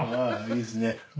いいですね。